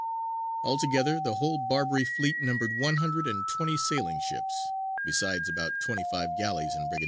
Altogether, the whole Barbary fleet numbered one hundred and twenty sailing ships, besides about twenty five galleys and brigantines.